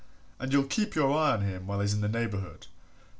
and you'll keep an eye on him while he's in your neighbourhood.